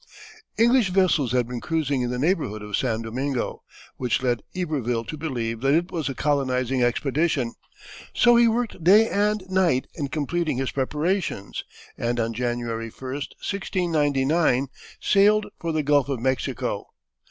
English vessels had been cruising in the neighborhood of San Domingo, which led Iberville to believe that it was a colonizing expedition, so he worked day and night in completing his preparations, and on January 1, 1699, sailed for the Gulf of Mexico.